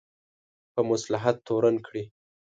په مصلحت تورن کړي.